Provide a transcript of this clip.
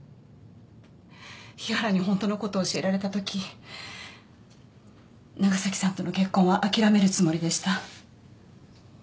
日原に本当の事を教えられた時長崎さんとの結婚は諦めるつもりでした。